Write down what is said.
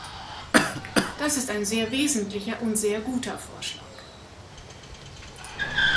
Das ist ein sehr wesentlicher und sehr guter Vorschlag.